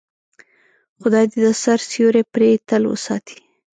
خدای دې د سر سیوری پرې تل وساتي.